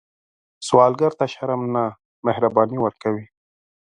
سوالګر ته شرم نه، مهرباني ورکوئ